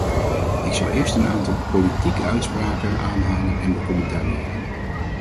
Ik zal eerst een aantal politieke uitspraken aanhalen en becommentariëren.